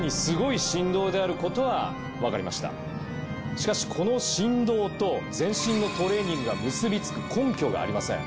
しかしこの振動と全身のトレーニングが結びつく根拠がありません。